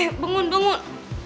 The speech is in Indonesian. eh bangun bangun